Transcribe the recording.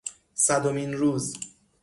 صدمین روز